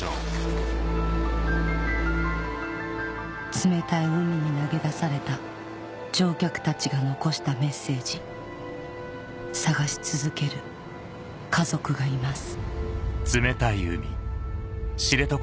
冷たい海に投げ出された乗客たちが残したメッセージ探し続ける家族がいます